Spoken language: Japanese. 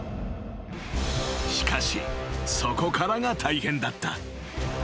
［しかしそこからが大変だった］